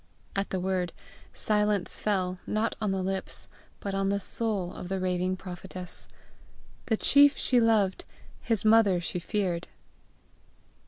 At the word, silence fell, not on the lips, but on the soul of the raving prophetess: the chief she loved, his mother she feared.